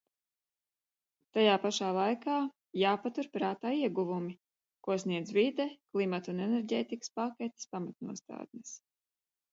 Tajā pašā laikā jāpatur prātā ieguvumi, ko sniedz vide, klimata un enerģētikas paketes pamatnostādnes.